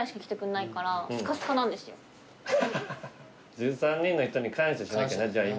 １３人の人に感謝しなきゃねじゃあ今の。